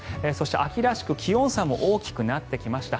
秋らしく気温差も大きくなってきました。